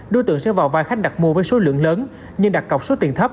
đối tượng sẽ vào vai khách đặt mua với số lượng lớn nhưng đặt cọc số tiền thấp